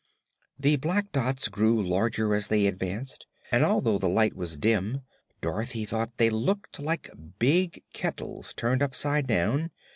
The black dots grew larger as they advanced and although the light was dim Dorothy thought they looked like big kettles turned upside down.